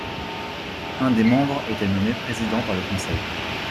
Un des membres était nommé Président par le Conseil.